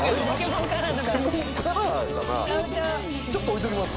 ちょっと置いときます？